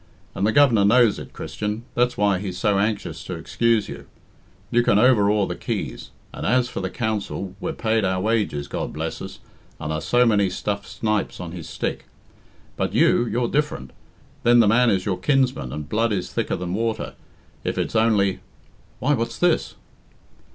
And the Governor knows it, Christian that's why he's so anxious to excuse you. He can overawe the Keys; and as for the Council, we're paid our wages, God bless us, and are so many stuffed snipes on his stick. But you you're different. Then the man is your kinsman, and blood is thicker than water, if it's only Why, what's this?"